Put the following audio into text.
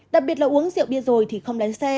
đặc biệt là uống rượu bia rồi thì không lái xe